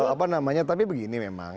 apa namanya tapi begini memang